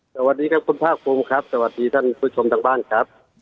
สวัสดีครับคุณภาคภูมิครับสวัสดีท่านผู้ชมทางบ้านครับ